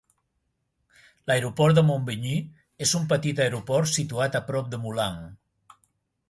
L'aeroport de Montbeugny és un petit aeroport situat a prop de Moulins.